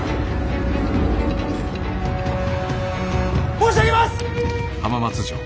申し上げます！